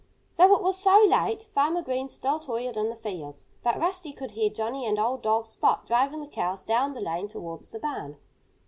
Though it was so late, Farmer Green still toiled in the fields; but Rusty could hear Johnnie and old dog Spot driving the cows down the lane towards the barn.